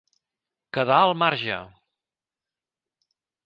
Quedar al marge.